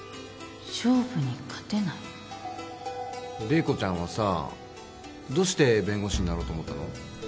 麗子ちゃんはさどうして弁護士になろうと思ったの？